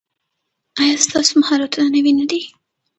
ایا ستاسو مهارتونه نوي نه دي؟